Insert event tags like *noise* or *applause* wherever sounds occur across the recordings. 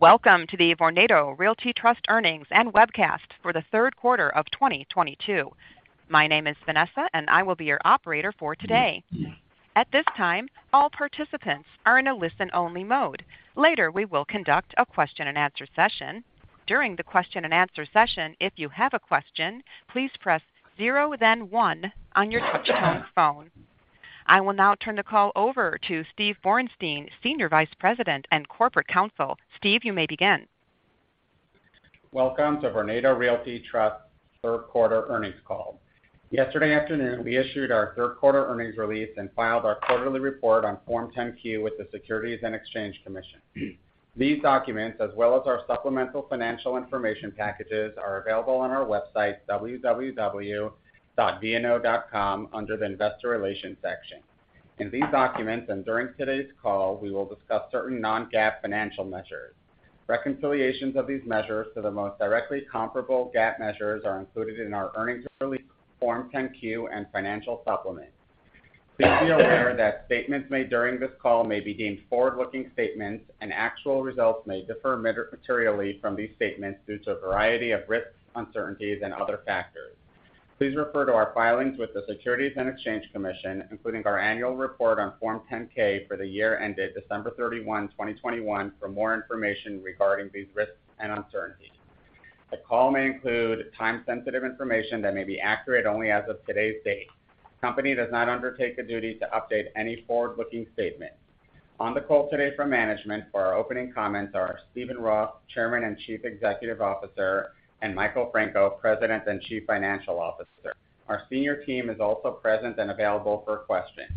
Welcome to the Vornado Realty Trust earnings and webcast for the third quarter of 2022. My name is Vanessa, and I will be your operator for today. At this time, all participants are in a listen-only mode. Later, we will conduct a question-and-answer session. During the question-and-answer session, if you have a question, please press zero, then one on your touchtone phone. I will now turn the call over to Steven Borenstein, Senior Vice President and Corporate Counsel. Steve, you may begin. Welcome to Vornado Realty Trust third quarter earnings call. Yesterday afternoon, we issued our third quarter earnings release and filed our quarterly report on Form 10-Q with the Securities and Exchange Commission. These documents, as well as our supplemental financial information packages, are available on our website, www.vno.com, under the Investor Relations section. In these documents and during today's call, we will discuss certain non-GAAP financial measures. Reconciliations of these measures to the most directly comparable GAAP measures are included in our earnings release, Form 10-Q, and financial supplement. Please be aware that statements made during this call may be deemed forward-looking statements, and actual results may differ materially from these statements due to a variety of risks, uncertainties, and other factors. Please refer to our filings with the Securities and Exchange Commission, including our annual report on Form 10-K for the year ended December 31, 2021 for more information regarding these risks and uncertainties. The call may include time-sensitive information that may be accurate only as of today's date. The company does not undertake a duty to update any forward-looking statement. On the call today from management for our opening comments are Steven Roth, Chairman and Chief Executive Officer, and Michael Franco, President and Chief Financial Officer. Our senior team is also present and available for questions.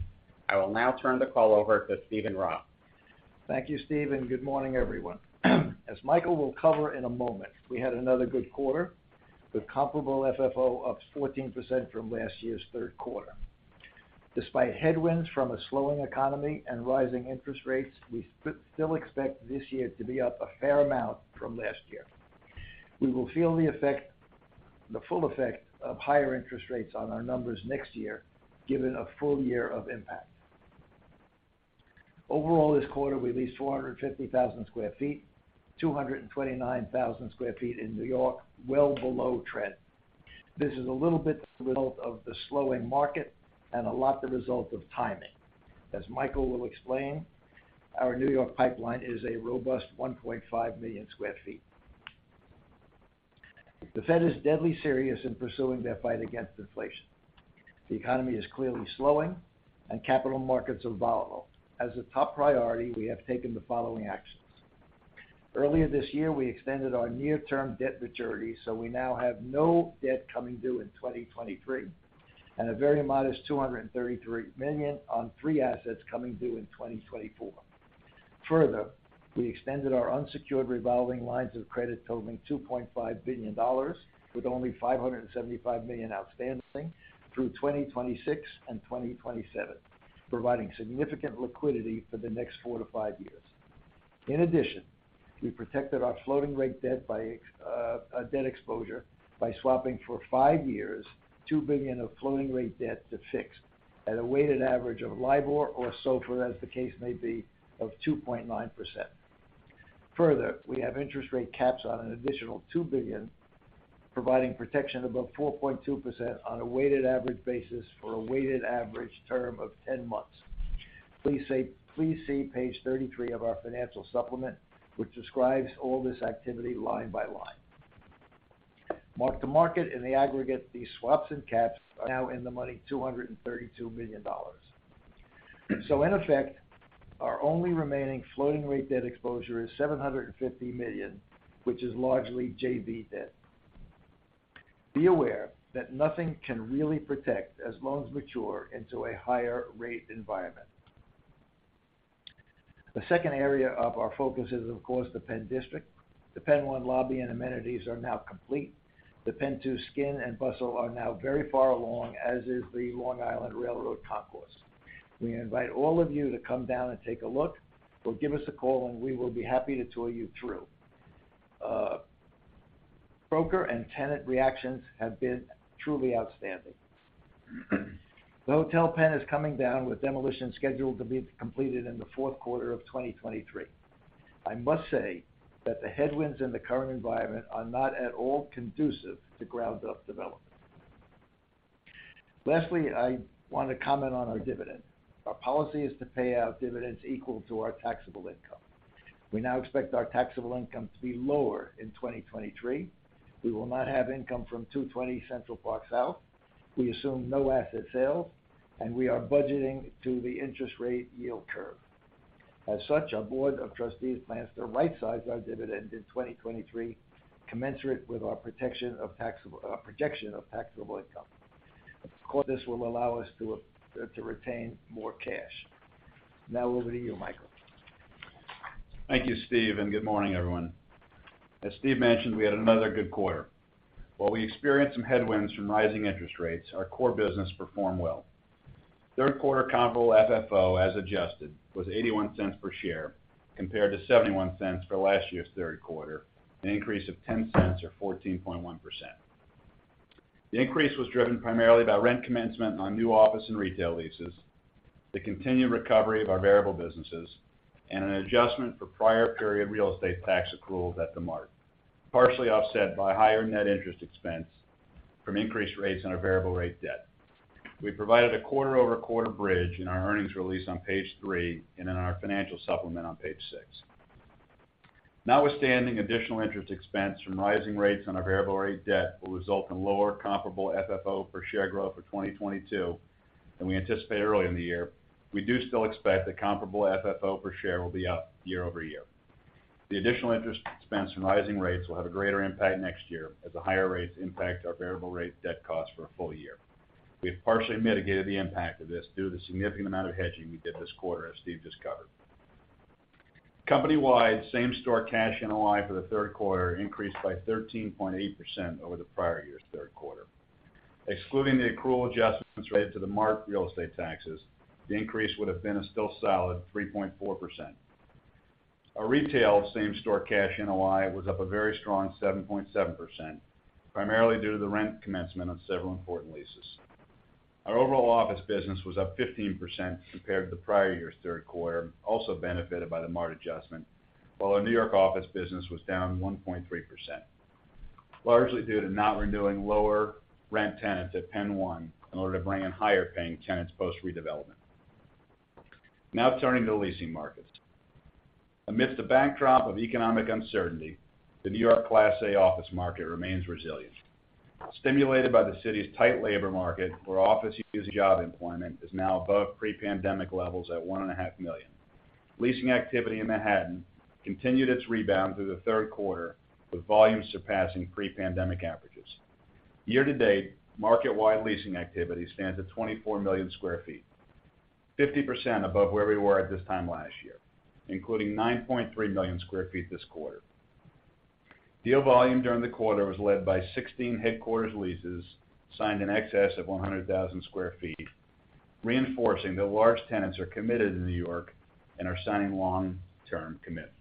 I will now turn the call over to Steven Roth. Thank you, Steve, and good morning, everyone. As Michael will cover in a moment, we had another good quarter with comparable FFO up 14% from last year's third quarter. Despite headwinds from a slowing economy and rising interest rates, we still expect this year to be up a fair amount from last year. We will feel the full effect of higher interest rates on our numbers next year, given a full year of impact. Overall, this quarter, we leased 450,000 sq ft, 229,000 sq ft in New York, well below trend. This is a little bit the result of the slowing market and a lot the result of timing. As Michael will explain, our New York pipeline is a robust 1.5 million sq ft. The Fed is deadly serious in pursuing their fight against inflation. The economy is clearly slowing and capital markets are volatile. As a top priority, we have taken the following actions. Earlier this year, we extended our near-term debt maturity, so we now have no debt coming due in 2023 and a very modest $233 million on three assets coming due in 2024. Further, we extended our unsecured revolving lines of credit totaling $2.5 billion, with only $575 million outstanding through 2026 and 2027, providing significant liquidity for the next four-five years. In addition, we protected our floating rate debt by swapping for five years, $2 billion of floating rate debt to fix at a weighted average of LIBOR or SOFR, as the case may be, of 2.9%. Further, we have interest rate caps on an additional $2 billion, providing protection above 4.2% on a weighted average basis for a weighted average term of 10 months. Please see page 33 of our financial supplement, which describes all this activity line by line. Mark-to-market in the aggregate, these swaps and caps are now in the money $232 million. So in effect, our only remaining floating rate debt exposure is $750 million, which is largely JV debt. Be aware that nothing can really protect as loans mature into a higher rate environment. The second area of our focus is, of course, the PENN District. The PENN 1 lobby and amenities are now complete. The PENN 2 skin and bustle are now very far along, as is the Long Island Rail Road Concourse. We invite all of you to come down and take a look, or give us a call, and we will be happy to tour you through. Broker and tenant reactions have been truly outstanding. The Hotel Pennsylvania is coming down with demolition scheduled to be completed in the fourth quarter of 2023. I must say that the headwinds in the current environment are not at all conducive to ground-up development. Lastly, I want to comment on our dividend. Our policy is to pay out dividends equal to our taxable income. We now expect our taxable income to be lower in 2023. We will not have income from 220 Central Park South. We assume no asset sales, and we are budgeting to the interest rate yield curve. As such, our Board of Trustees plans to rightsize our dividend in 2023, commensurate with our projection of taxable income. Of course, this will allow us to retain more cash. Now over to you, Michael. Thank you, Steve, and good morning, everyone. As Steve mentioned, we had another good quarter. While we experienced some headwinds from rising interest rates, our core business performed well. Third quarter comparable FFO, as adjusted, was $0.81 per share compared to $0.71 for last year's third quarter, an increase of $0.10 or 14.1%. The increase was driven primarily by rent commencement on new office and retail leases, the continued recovery of our variable businesses, and an adjustment for prior period real estate tax accruals at theMART, partially offset by higher net interest expense from increased rates on our variable rate debt. We provided a quarter-over-quarter bridge in our earnings release on page three and in our financial supplement on page six. Notwithstanding additional interest expense from rising rates on our variable rate debt will result in lower comparable FFO per share growth for 2022 than we anticipate early in the year. We do still expect that comparable FFO per share will be up year-over-year. The additional interest expense from rising rates will have a greater impact next year as the higher rates impact our variable rate debt costs for a full year. We have partially mitigated the impact of this due to the significant amount of hedging we did this quarter, as Steve just covered. Company-wide same store cash NOI for the third quarter increased by 13.8% over the prior year's third quarter. Excluding the accrual adjustments related to theMART real estate taxes, the increase would have been a still solid 3.4%. Our retail same store cash NOI was up a very strong 7.7%, primarily due to the rent commencement on several important leases. Our overall office business was up 15% compared to the prior year's third quarter, also benefited by theMART adjustment, while our New York office business was down 1.3%, largely due to not renewing lower rent tenants at PENN 1 in order to bring in higher paying tenants post redevelopment. Now turning to leasing markets. Amidst the backdrop of economic uncertainty, the New York Class A office market remains resilient. Stimulated by the city's tight labor market, where office user job employment is now above pre-pandemic levels at 1.5 million. Leasing activity in Manhattan continued its rebound through the third quarter, with volumes surpassing pre-pandemic averages. Year-to-date, market-wide leasing activity stands at 24 million sq ft, 50% above where we were at this time last year, including 9.3 million sq ft this quarter. Deal volume during the quarter was led by 16 headquarters leases signed in excess of 100,000 sq ft, reinforcing that large tenants are committed to New York and are signing long-term commitments.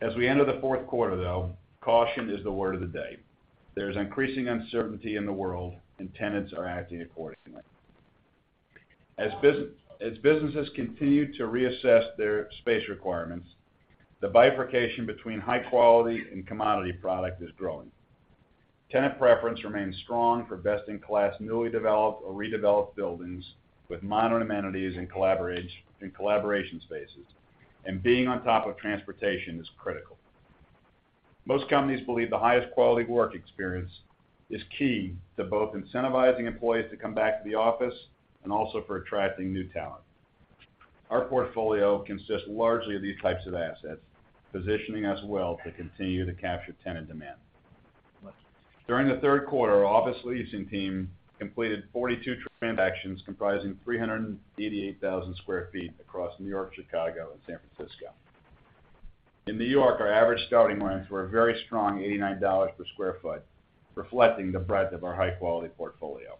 As we enter the fourth quarter though, caution is the word of the day. There is increasing uncertainty in the world, and tenants are acting accordingly. As businesses continue to reassess their space requirements, the bifurcation between high quality and commodity product is growing. Tenant preference remains strong for best-in-class newly developed or redeveloped buildings with modern amenities and collaboration spaces, and being on top of transportation is critical. Most companies believe the highest quality work experience is key to both incentivizing employees to come back to the office and also for attracting new talent. Our portfolio consists largely of these types of assets, positioning us well to continue to capture tenant demand. During the third quarter, our office leasing team completed 42 transactions comprising 388,000 sq ft across New York, Chicago, and San Francisco. In New York, our average starting rents were a very strong $89 per sq ft, reflecting the breadth of our high-quality portfolio.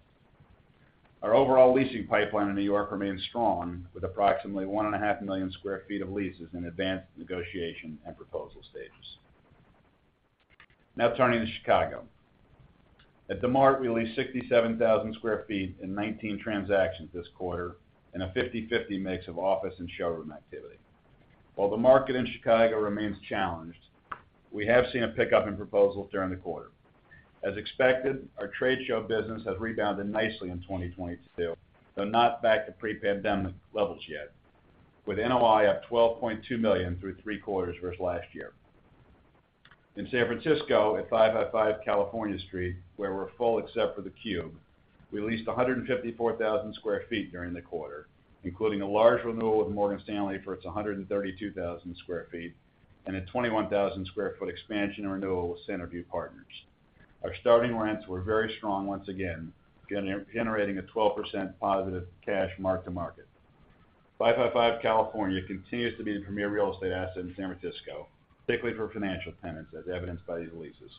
Our overall leasing pipeline in New York remains strong, with approximately 1.5 million sq ft of leases in advanced negotiation and proposal stages. Now turning to Chicago. At theMART, we leased 67,000 sq ft in 19 transactions this quarter in a 50/50 mix of office and showroom activity. While the market in Chicago remains challenged, we have seen a pickup in proposals during the quarter. As expected, our trade show business has rebounded nicely in 2022, though not back to pre-pandemic levels yet, with NOI up $12.2 million through three quarters versus last year. In San Francisco, at 555 California Street, where we're full except for the Cube, we leased 154,000 sq ft during the quarter, including a large renewal of Morgan Stanley for its 132,000 sq ft and a 21,000 sq ft expansion renewal with Centerview Partners. Our starting rents were very strong once again, generating a 12% positive cash mark-to-market. 555 California continues to be the premier real estate asset in San Francisco, particularly for financial tenants as evidenced by these leases.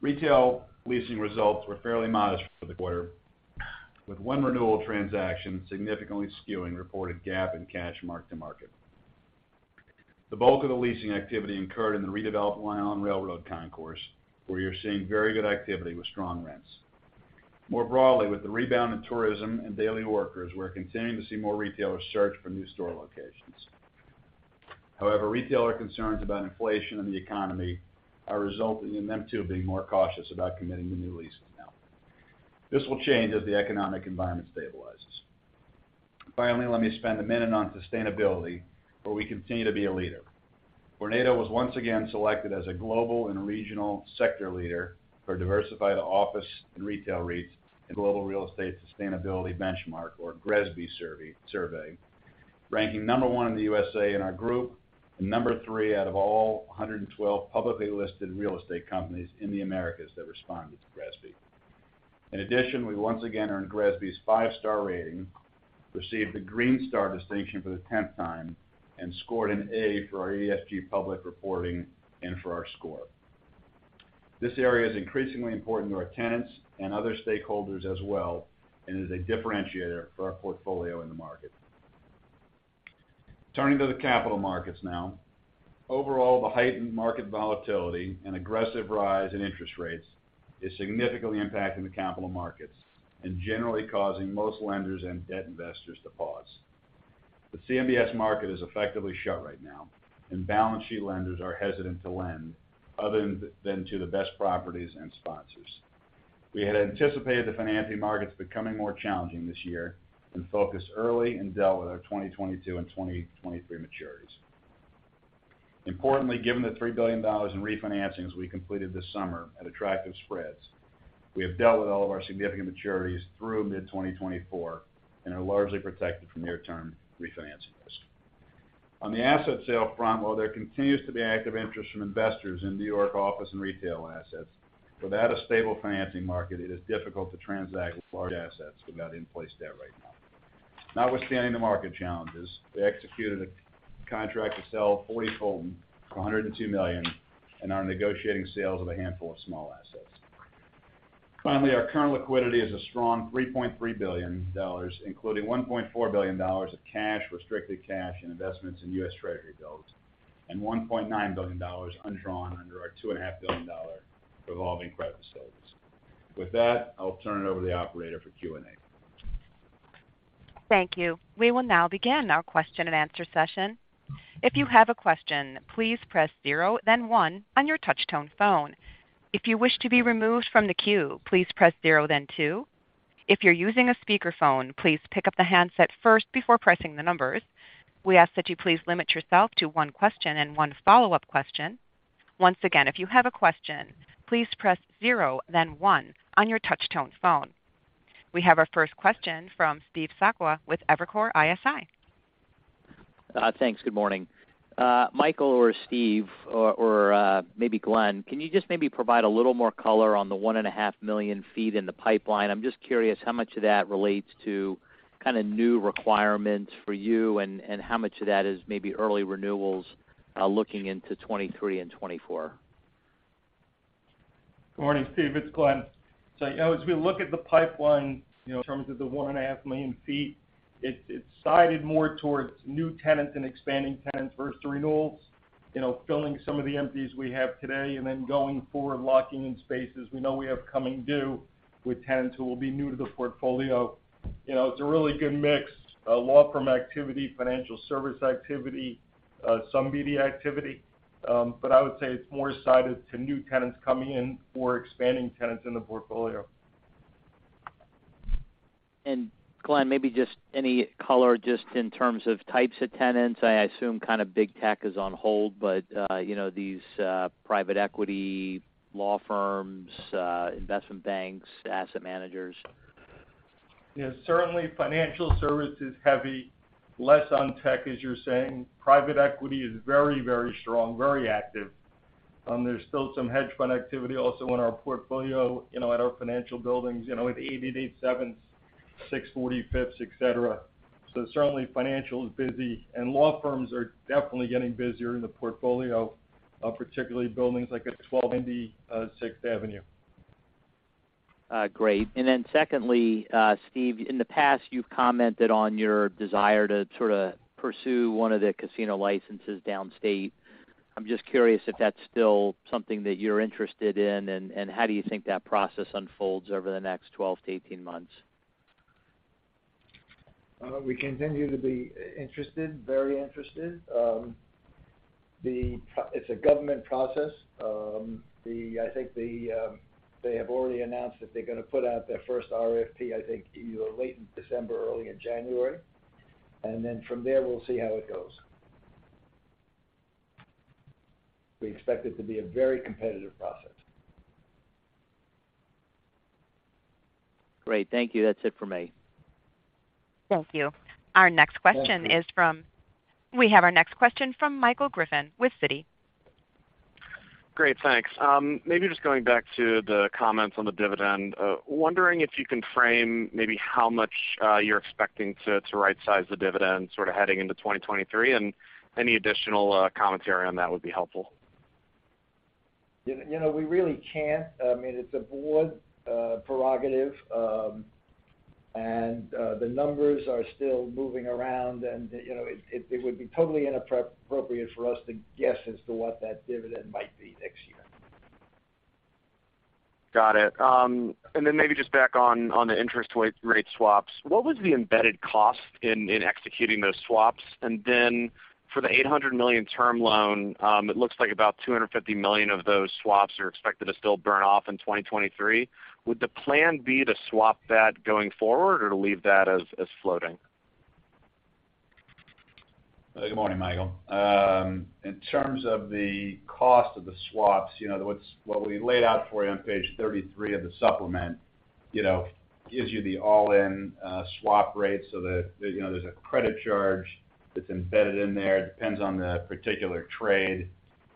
Retail leasing results were fairly modest for the quarter, with one renewal transaction significantly skewing reported GAAP and cash mark-to-market. The bulk of the leasing activity occurred in the redeveloped Long Island Rail Road Concourse, where you're seeing very good activity with strong rents. More broadly, with the rebound in tourism and daily workers, we're continuing to see more retailers search for new store locations. However, retailer concerns about inflation and the economy are resulting in them too being more cautious about committing to new leases now. This will change as the economic environment stabilizes. Finally, let me spend a minute on sustainability, where we continue to be a leader. Vornado was once again selected as a global and regional sector leader for diversified office and retail REITs in Global Real Estate Sustainability Benchmark, or GRESB survey, ranking number 1 in the USA in our group and number 3 out of all 112 publicly listed real estate companies in the Americas that responded to GRESB. In addition, we once again earned GRESB's five-star rating, received the Green Star distinction for the 10th time, and scored an A for our ESG public reporting and for our score. This area is increasingly important to our tenants and other stakeholders as well, and is a differentiator for our portfolio in the market. Turning to the capital markets now. Overall, the heightened market volatility and aggressive rise in interest rates is significantly impacting the capital markets and generally causing most lenders and debt investors to pause. The CMBS market is effectively shut right now, and balance sheet lenders are hesitant to lend other than to the best properties and sponsors. We had anticipated the financing markets becoming more challenging this year and focused early and dealt with our 2022 and 2023 maturities. Importantly, given the $3 billion in refinancings we completed this summer at attractive spreads, we have dealt with all of our significant maturities through mid-2024 and are largely protected from near-term refinancing risk. On the asset sale front, while there continues to be active interest from investors in New York office and retail assets, without a stable financing market, it is difficult to transact with large assets without in-place debt right now. Notwithstanding the market challenges, we executed a contract to sell 40 Fulton for $102 million and are negotiating sales of a handful of small assets. Finally, our current liquidity is a strong $3.3 billion, including $1.4 billion of cash, restricted cash, and investments in U.S. Treasury bills, and $1.9 billion undrawn under our $2.5 billion revolving credit facilities. With that, I'll turn it over to the operator for Q&A. Thank you. We will now begin our question-and-answer session. If you have a question, please press zero then one on your touch-tone phone. If you wish to be removed from the queue, please press zero then two. If you're using a speakerphone, please pick up the handset first before pressing the numbers. We ask that you please limit yourself to one question and one follow-up question. Once again, if you have a question, please press zero, then one on your touch-tone phone. We have our first question from Steve Sakwa with Evercore ISI. Thanks. Good morning. Michael or Steve or maybe Glen, can you just maybe provide a little more color on the 1.5 million sq ft in the pipeline? I'm just curious how much of that relates to kinda new requirements for you, and how much of that is maybe early renewals, looking into 2023 and 2024? Good morning, Steve. It's Glen. You know, as we look at the pipeline, you know, in terms of the 1.5 million sq ft, it's sided more towards new tenants and expanding tenants versus renewals. You know, filling some of the empties we have today, and then going forward, locking in spaces we know we have coming due with tenants who will be new to the portfolio. You know, it's a really good mix of law firm activity, financial service activity, some media activity. I would say it's more sided to new tenants coming in or expanding tenants in the portfolio. Glen, maybe just any color just in terms of types of tenants. I assume kind of big tech is on hold, but you know these private equity law firms, investment banks, asset managers? Yeah. Certainly, financial services heavy, less on tech, as you're saying. Private equity is very, very strong, very active. There's still some hedge fund activity also in our portfolio, you know, at our financial buildings, you know, with 888 Seventh, 640 Fifth, et cetera. Certainly financial is busy, and law firms are definitely getting busier in the portfolio, particularly buildings like at 1290 Sixth Avenue. Great. Secondly, Steve, in the past, you've commented on your desire to sort of pursue one of the casino licenses downstate. I'm just curious if that's still something that you're interested in, and how do you think that process unfolds over the next 12-18 months? We continue to be interested, very interested. It's a government process. I think they have already announced that they're gonna put out their first RFP, I think, either late in December or early in January. From there, we'll see how it goes. We expect it to be a very competitive process. Great. Thank you. That's it for me. Thank you. Our next question is from. Thank you. We have our next question from Michael Griffin with Citi. Great. Thanks. Maybe just going back to the comments on the dividend. Wondering if you can frame maybe how much you're expecting to rightsize the dividend sort of heading into 2023, and any additional commentary on that would be helpful? You know, we really can't. I mean, it's a board prerogative, and the numbers are still moving around and, you know, it would be totally inappropriate for us to guess as to what that dividend might be next year. Got it. Maybe just back on the interest rate swaps. What was the embedded cost in executing those swaps? For the $800 million term loan, it looks like about $250 million of those swaps are expected to still burn off in 2023. Would the plan be to swap that going forward or to leave that as floating? Good morning, Michael. In terms of the cost of the swaps, you know, what we laid out for you on page 33 of the supplement, you know, gives you the all-in swap rate so that, you know, there's a credit charge that's embedded in there. It depends on the particular trade.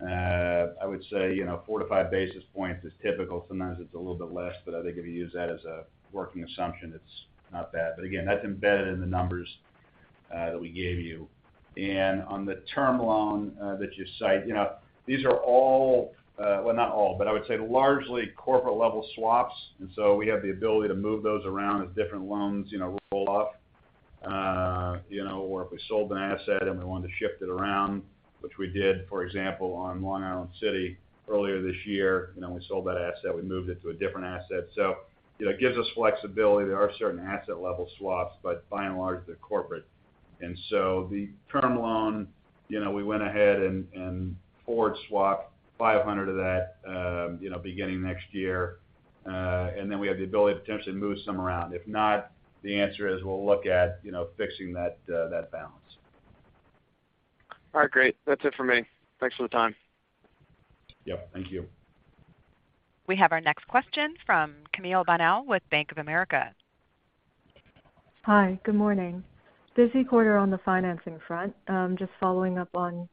I would say, you know, 4 basis points-5 basis points is typical. Sometimes it's a little bit less, but I think if you use that as a working assumption, it's not bad. Again, that's embedded in the numbers that we gave you. On the term loan that you cite, you know, these are all, well, not all, but I would say largely corporate-level swaps, and so we have the ability to move those around as different loans, you know, roll off. You know, or if we sold an asset and we wanted to shift it around, which we did, for example, on Long Island City earlier this year. You know, we sold that asset, we moved it to a different asset. You know, it gives us flexibility. There are certain asset-level swaps, but by and large, they're corporate. The term loan, you know, we went ahead and forward swap $500 of that, you know, beginning next year. And then we have the ability to potentially move some around. If not, the answer is we'll look at, you know, fixing that balance. All right, great. That's it for me. Thanks for the time. Yep. Thank you. We have our next question from Camille Bonnel with Bank of America. Hi. Good morning. Busy quarter on the financing front. Just following up on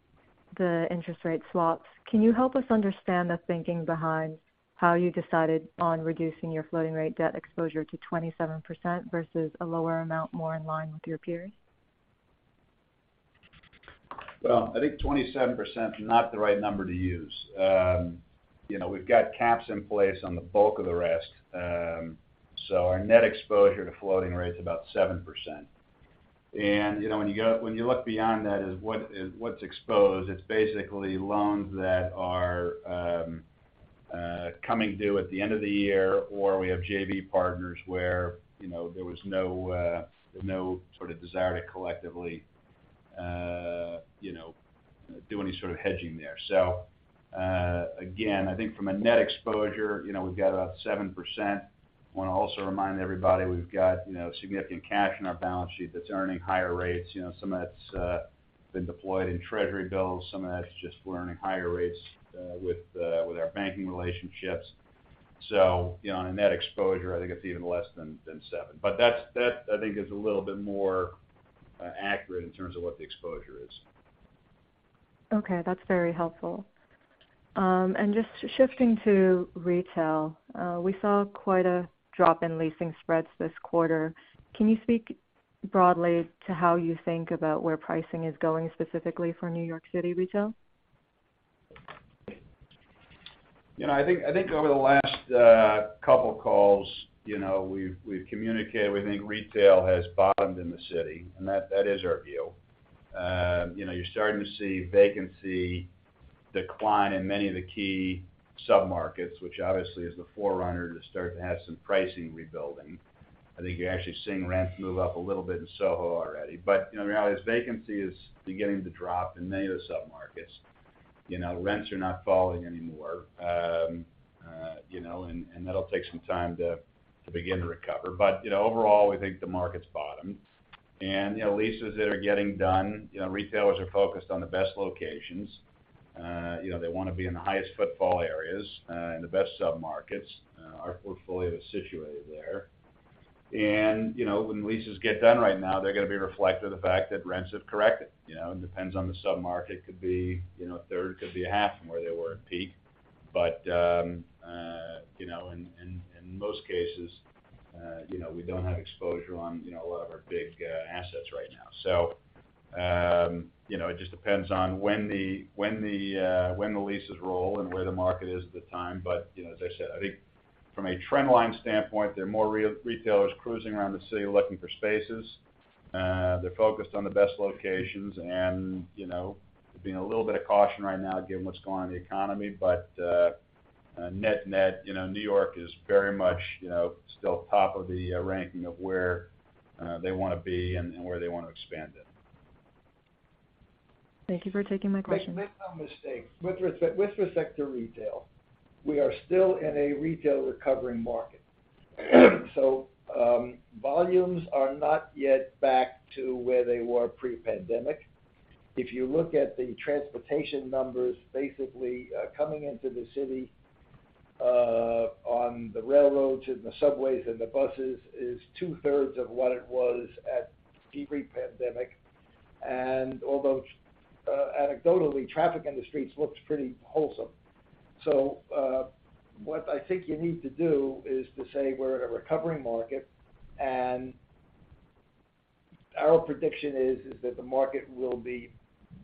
the interest rate swaps. Can you help us understand the thinking behind how you decided on reducing your floating rate debt exposure to 27% versus a lower amount more in line with your peers? Well, I think 27% is not the right number to use. You know, we've got caps in place on the bulk of the rest. Our net exposure to floating rate is about 7%. You know, when you look beyond that, what's exposed, it's basically loans that are coming due at the end of the year, or we have JV partners where, you know, there was no sort of desire to collectively, you know, do any sort of hedging there. Again, I think from a net exposure, you know, we've got about 7%. I wanna also remind everybody, we've got, you know, significant cash in our balance sheet that's earning higher rates. You know, some of that's been deployed in Treasury bills, some of that's just we're earning higher rates with our banking relationships. You know, on a net exposure, I think it's even less than 7%. That I think is a little bit more accurate in terms of what the exposure is. Okay, that's very helpful. Just shifting to retail. We saw quite a drop in leasing spreads this quarter. Can you speak broadly to how you think about where pricing is going specifically for New York City retail? You know, I think over the last couple calls, you know, we've communicated, we think retail has bottomed in the city, and that is our view. You know, you're starting to see vacancy decline in many of the key submarkets, which obviously is the forerunner to start to have some pricing rebuilding. I think you're actually seeing rents move up a little bit in SoHo already. You know, the reality is vacancy is beginning to drop in many of the submarkets. You know, rents are not falling anymore, you know, and that'll take some time to begin to recover. You know, overall, we think the markets bottomed. You know, leases that are getting done, you know, retailers are focused on the best locations. You know, they wanna be in the highest footfall areas in the best submarkets. Our portfolio is situated there. You know, when leases get done right now, they're gonna be reflective of the fact that rents have corrected. You know, it depends on the submarket. Could be a third, could be a half from where they were at peak. You know, in most cases, you know, we don't have exposure on a lot of our big assets right now. You know, it just depends on when the leases roll and where the market is at the time. You know, as I said, I think from a trend line standpoint, there are more retailers cruising around the city looking for spaces. They're focused on the best locations and, you know, being a little bit cautious right now given what's going on in the economy. Net-net, you know, New York is very much, you know, still top of the ranking of where they wanna be and where they wanna expand in. Thank you for taking my question. Make no mistake. With respect to retail, we are still in a retail recovering market. Volumes are not yet back to where they were pre-pandemic. If you look at the transportation numbers, basically, coming into the city, on the railroads and the subways and the buses is two-thirds of what it was at pre-pandemic. Although anecdotally, traffic in the streets looks pretty wholesome. What I think you need to do is to say we're in a recovering market, and our prediction is that the market will be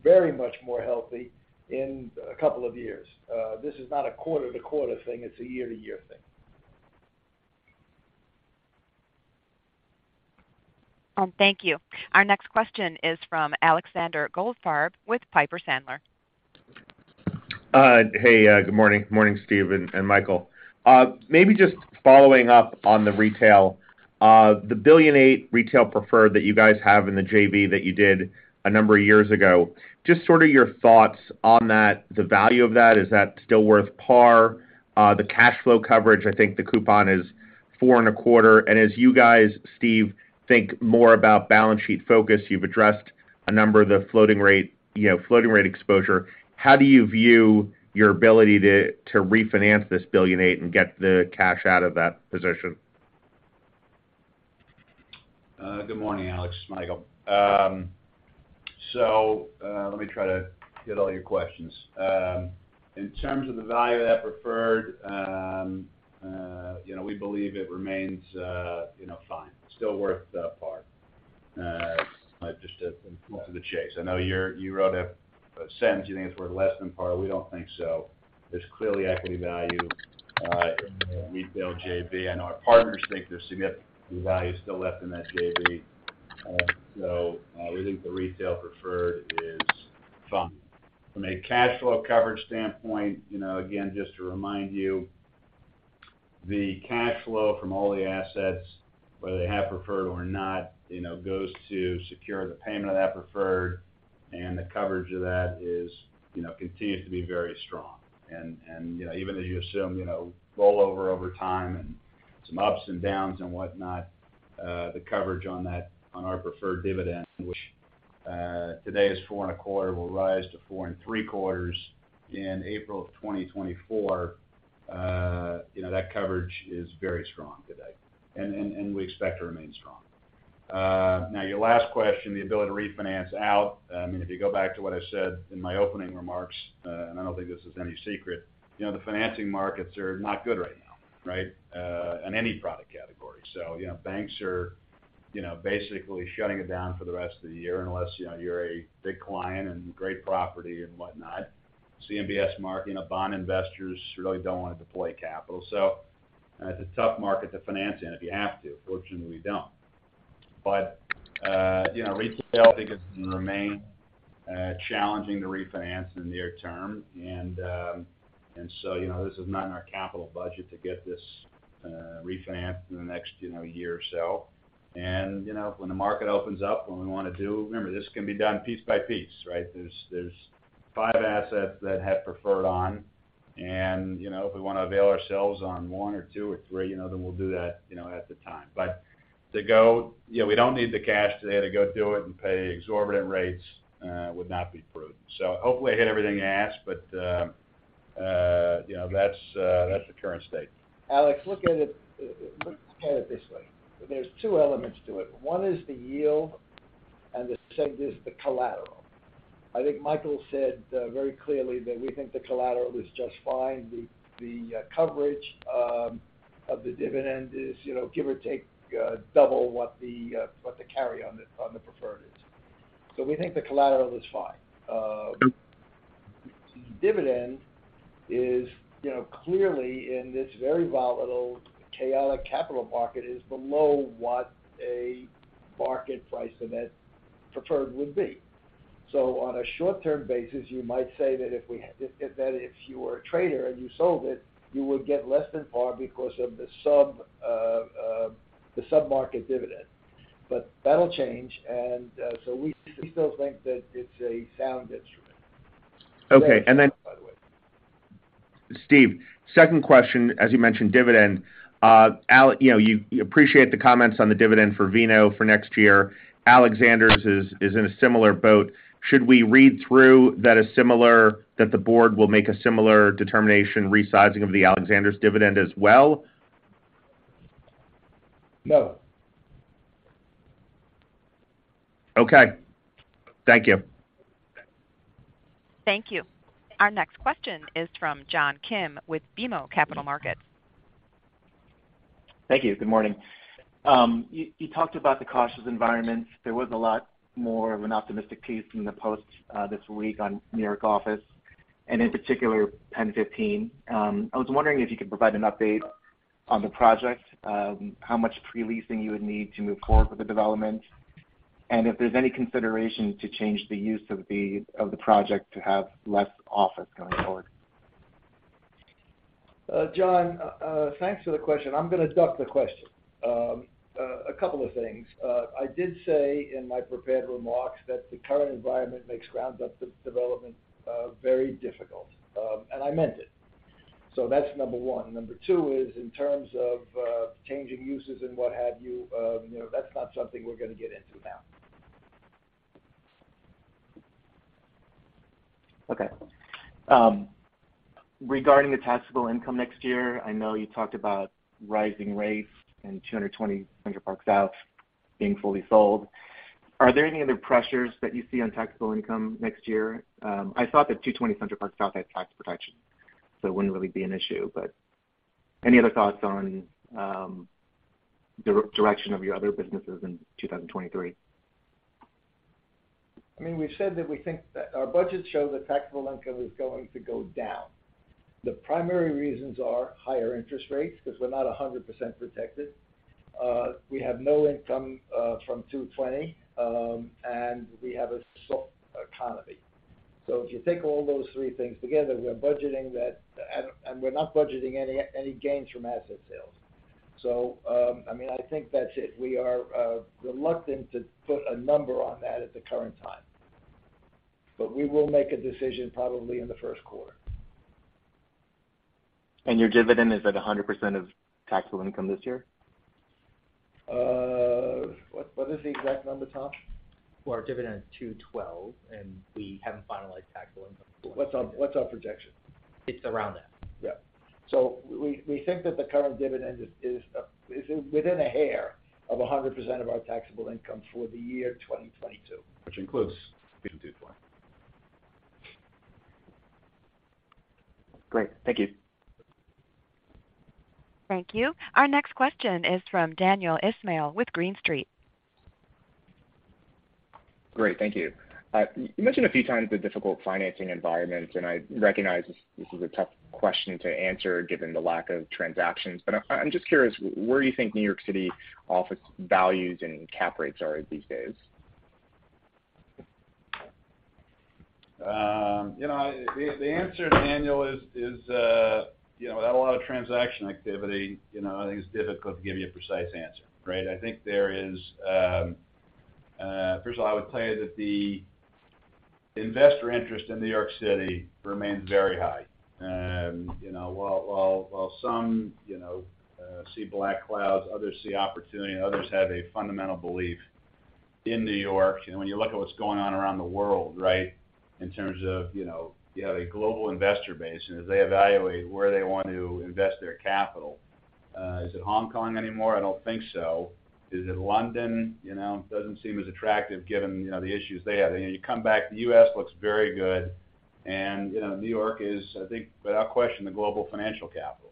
very much more healthy in a couple of years. This is not a quarter-to-quarter thing, it's a year-to-year thing. Thank you. Our next question is from Alexander Goldfarb with Piper Sandler. Good morning. Morning, Steven and Michael. Maybe just following up on the retail. The $1.8 billion retail preferred that you guys have in the JV that you did a number of years ago, just sort of your thoughts on that. The value of that, is that still worth par? The cash flow coverage, I think the coupon is 4.25%. As you guys, Steve, think more about balance sheet focus, you've addressed a number of the floating rate, you know, floating rate exposure. How do you view your ability to refinance this $1.8 billion and get the cash out of that position? Good morning, Alex. Michael. Let me try to get all your questions. In terms of the value of that preferred, you know, we believe it remains, you know, fine. Still worth the par. Just to cut to the chase. I know you wrote a sentence, you think it's worth less than par. We don't think so. There's clearly equity value in the retail JV. I know our partners think there's significant value still left in that JV. We think the retail preferred is fine. From a cash flow coverage standpoint, you know, again, just to remind you, the cash flow from all the assets, whether they have preferred or not, you know, goes to secure the payment of that preferred, and the coverage of that, you know, continues to be very strong. You know, even as you assume, you know, rollover over time and some ups and downs and whatnot, the coverage on that on our preferred dividend, which today is 4.25%, will rise to 4.75% in April 2024. You know, that coverage is very strong today, and we expect to remain strong. Now your last question, the ability to refinance out. I mean, if you go back to what I said in my opening remarks, and I don't think this is any secret, you know, the financing markets are not good right now, right? In any product category. You know, banks are, you know, basically shutting it down for the rest of the year unless, you know, you're a big client and great property and whatnot. CMBS market, you know, bond investors really don't want to deploy capital. It's a tough market to finance in if you have to. Fortunately, we don't. You know, retail, I think it's gonna remain challenging to refinance in the near term. This is not in our capital budget to get this refinanced in the next year or so. You know, when the market opens up, when we want to do. Remember, this can be done piece by piece, right? There's five assets that have preferred on. You know, if we want to avail ourselves of one or two or three, you know, then we'll do that, you know, at the time. But to go. You know, we don't need the cash today to go do it and pay exorbitant rates. Would not be prudent. Hopefully, I hit everything you asked, but you know, that's the current state. Alex, look at it this way. There's two elements to it. One is the yield, and the second is the collateral. I think Michael said very clearly that we think the collateral is just fine. The coverage of the dividend is, you know, give or take, double what the carry on the preferred is. So we think the collateral is fine. The dividend is, you know, clearly in this very volatile, chaotic capital market, is below what a market price of that preferred would be. So on a short-term basis, you might say that if you were a trader and you sold it, you would get less than par because of the sub-market dividend. But that'll change. We still think that it's a sound instrument. Okay. By the way. Steve, second question, as you mentioned, dividend. You know, you appreciate the comments on the dividend for VNO for next year. Alexander's is in a similar boat. Should we read through that the board will make a similar determination resizing of the Alexander's dividend as well? No. Okay. Thank you. Thank you. Our next question is from John Kim with BMO Capital Markets. Thank you. Good morning. You talked about the cautious environments. There was a lot more of an optimistic piece in the post this week on New York Office, and in particular, PENN 15. I was wondering if you could provide an update on the project, how much pre-leasing you would need to move forward with the development, and if there's any consideration to change the use of the project to have less office going forward? John, thanks for the question. I'm gonna duck the question. A couple of things. I did say in my prepared remarks that the current environment makes ground-up de-development very difficult, and I meant it. That's number one. Number two is in terms of changing uses and what have you know, that's not something we're gonna get into now. Okay. Regarding the taxable income next year, I know you talked about rising rates and 220 Central Park South being fully sold. Are there any other pressures that you see on taxable income next year? I thought that 220 Central Park South had tax protection, so it wouldn't really be an issue. Any other thoughts on direction of your other businesses in 2023? I mean, we've said that we think that our budgets show that taxable income is going to go down. The primary reasons are higher interest rates because we're not 100% protected. We have no income from 220, and we have a soft economy. If you take all those three things together, we are budgeting that. We're not budgeting any gains from asset sales. I mean, I think that's it. We are reluctant to put a number on that at the current time. We will make a decision probably in the first quarter. Your dividend is at 100% of taxable income this year? What is the exact number, Tom? Well, our dividend is $2.12, and we haven't finalized taxable income. What's our projection? It's around that. Yeah. We think that the current dividend is within a hair of 100% of our taxable income for the year 2022. Which includes [$2.12]. Great. Thank you. Thank you. Our next question is from Daniel Ismail with Green Street. Great. Thank you. You mentioned a few times the difficult financing environment, and I recognize this is a tough question to answer given the lack of transactions. I'm just curious, where you think New York City office values and cap rates are these days? The answer, Daniel, is, you know, without a lot of transaction activity, you know, I think it's difficult to give you a precise answer, right? I think there is. First of all, I would tell you that the investor interest in New York City remains very high. You know, while some, you know, see black clouds, others see opportunity, and others have a fundamental belief in New York. You know, when you look at what's going on around the world, right? In terms of, you know, you have a global investor base, and as they evaluate where they want to invest their capital, is it Hong Kong anymore? I don't think so. Is it London? You know, doesn't seem as attractive given, you know, the issues they have. You know, you come back, the U.S. looks very good. You know, New York is, I think, without question, the global financial capital.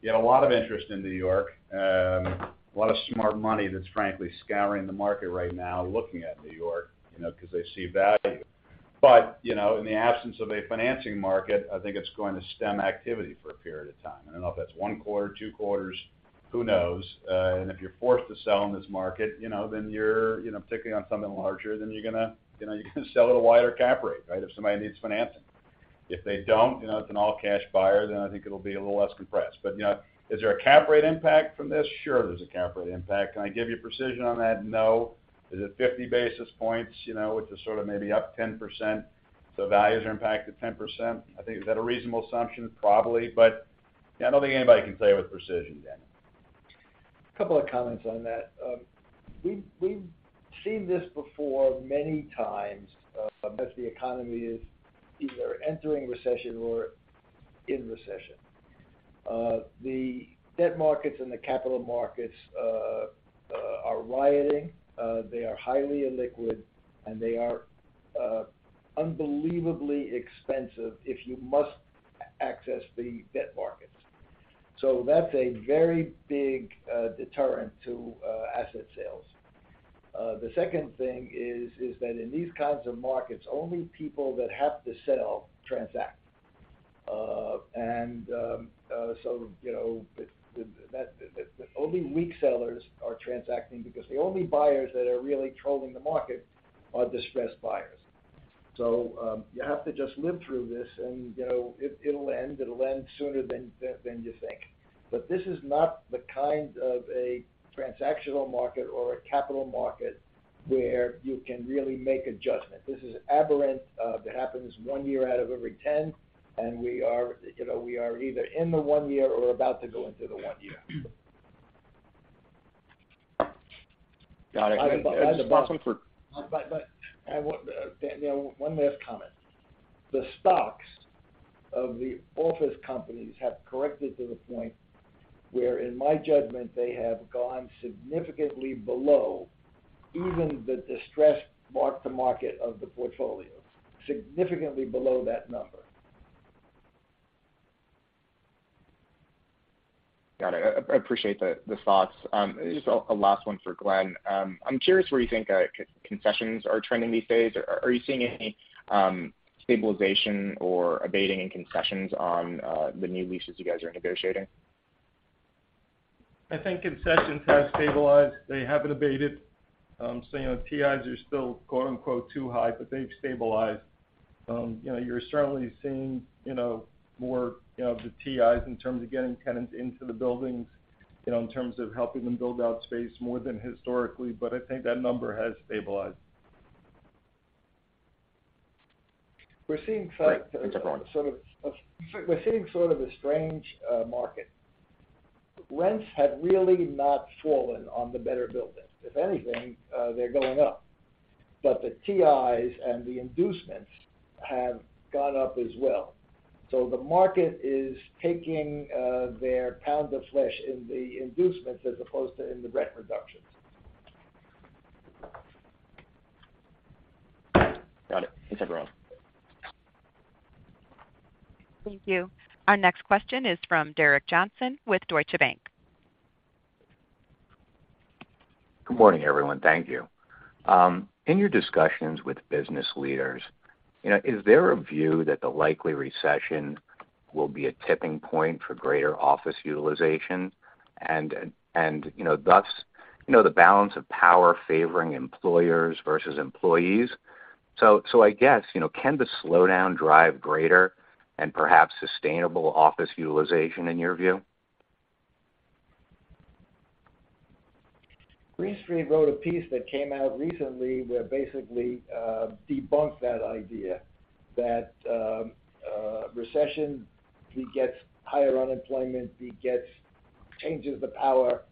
You know, a lot of interest in New York. A lot of smart money that's frankly scouring the market right now, looking at New York, you know, 'cause they see value. You know, in the absence of a financing market, I think it's going to stem activity for a period of time. I don't know if that's one quarter, two quarters, who knows? If you're forced to sell in this market, you know, then you're particularly on something larger, then you're gonna sell at a wider cap rate, right? If somebody needs financing. If they don't, you know, it's an all-cash buyer, then I think it'll be a little less compressed. You know, is there a cap rate impact from this? Sure, there's a cap rate impact. Can I give you precision on that? No. Is it 50 basis points, you know, which is sort of maybe up 10%, so values are impacted 10%. I think, is that a reasonable assumption? Probably. I don't think anybody can tell you with precision, Daniel. A couple of comments on that. We've seen this before many times as the economy is either entering recession or in recession. The debt markets and the capital markets are tightening. They are highly illiquid, and they are unbelievably expensive if you must access the debt markets. That's a very big deterrent to asset sales. The second thing is that in these kinds of markets, only people that have to sell transact. You know, only weak sellers are transacting because the only buyers that are really trolling the market are distressed buyers. You have to just live through this, and you know, it'll end. It'll end sooner than you think. This is not the kind of a transactional market or a capital market where you can really make adjustment. This is abhorrent. It happens one year out of every 10, and we are, you know, we are either in the one year or about to go into the one year. Got it. *crosstalk* Daniel, one last comment. The stocks of the office companies have corrected to the point where, in my judgment, they have gone significantly below even the distressed mark-to-market of the portfolio. Significantly below that number. Got it. I appreciate the thoughts. Just a last one for Glen. I'm curious where you think concessions are trending these days. Are you seeing any stabilization or abating in concessions on the new leases you guys are negotiating? I think concessions have stabilized. They haven't abated. You know, TIs are still quote-unquote too high, but they've stabilized. You know, you're certainly seeing, you know, more, you know, of the TIs in terms of getting tenants into the buildings, you know, in terms of helping them build out space more than historically, but I think that number has stabilized. We're seeing sort of. Great. Thanks everyone. We're seeing sort of a strange market. Rents have really not fallen on the better buildings. If anything, they're going up. The TIs and the inducements have gone up as well. The market is taking their pound of flesh in the inducements as opposed to in the rent reductions. Got it. Thanks, everyone. Thank you. Our next question is from Derek Johnston with Deutsche Bank. Good morning, everyone. Thank you. In your discussions with business leaders, you know, is there a view that the likely recession will be a tipping point for greater office utilization and, you know, thus, you know, the balance of power favoring employers versus employees? I guess, you know, can the slowdown drive greater and perhaps sustainable office utilization in your view? Green Street wrote a piece that came out recently that basically debunked that idea, that recession begets higher unemployment, begets changes of power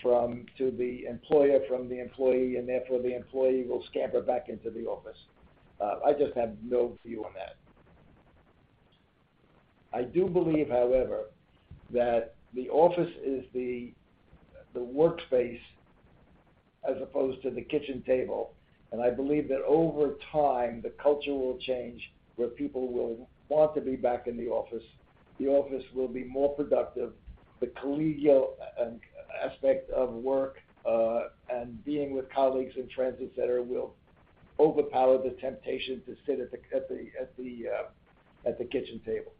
from the employee to the employer, and therefore, the employee will scamper back into the office. I just have no view on that. I do believe, however, that the office is the workspace as opposed to the kitchen table. I believe that over time, the culture will change, where people will want to be back in the office. The office will be more productive. The collegial aspect of work and being with colleagues in transit center will overpower the temptation to sit at the kitchen table.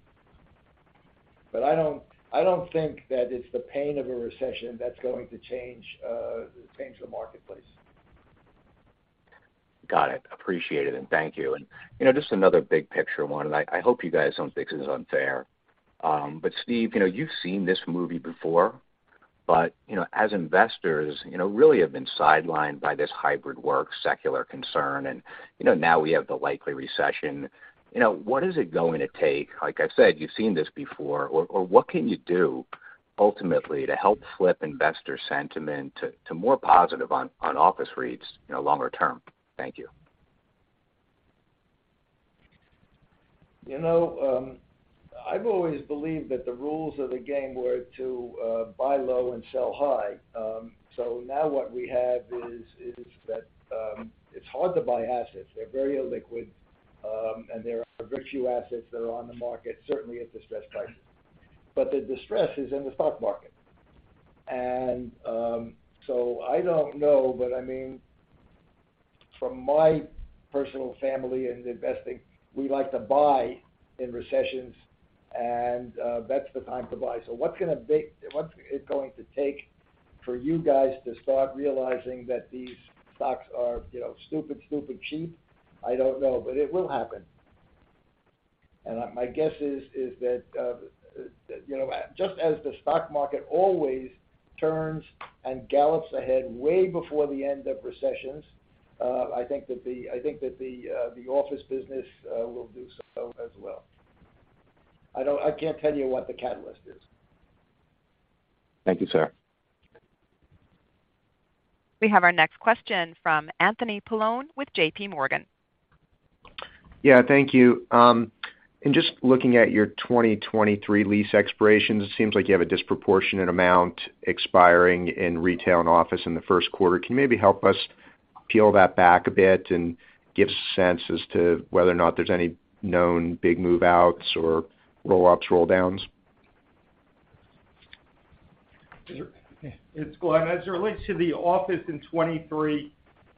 I don't think that it's the pain of a recession that's going to change the marketplace. Got it. Appreciate it, and thank you. You know, just another big picture one, and I hope you guys don't think this is unfair. Steve, you know, you've seen this movie before. You know, as investors, you know, really have been sidelined by this hybrid work, secular concern. You know, now we have the likely recession. You know, what is it going to take? Like I said, you've seen this before. Or what can you do ultimately to help flip investor sentiment to more positive on office REITs, you know, longer term? Thank you. You know, I've always believed that the rules of the game were to buy low and sell high. Now what we have is that it's hard to buy assets. They're very illiquid, and there are very few assets that are on the market, certainly at distressed prices. The distress is in the stock market. I don't know, but I mean, from my personal family and investing, we like to buy in recessions, and that's the time to buy. What's it going to take for you guys to start realizing that these stocks are, you know, stupid, super cheap? I don't know, but it will happen. My guess is that, you know, just as the stock market always turns and gallops ahead way before the end of recessions, I think that the office business will do so as well. I can't tell you what the catalyst is. Thank you, sir. We have our next question from Anthony Paolone with JPMorgan. Yeah, thank you. In just looking at your 2023 lease expirations, it seems like you have a disproportionate amount expiring in retail and office in the first quarter. Can you maybe help us peel that back a bit and give sense as to whether or not there's any known big move-outs or roll-ups, roll-downs? It's Glen. As it relates to the office in 2023,